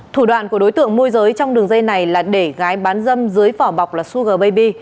thủ đoạn của đối tượng môi giới trong đường dây này là để gái bán dâm dưới phỏ bọc là sugar baby